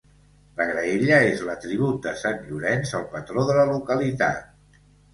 La graella és l'atribut de sant Llorenç, el patró de la localitat.